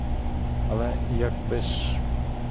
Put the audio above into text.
Але як би ж?